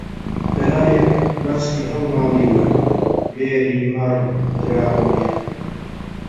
لەلایەک باسکی هەڵماڵیوە بێری مەڕ دراوە بێر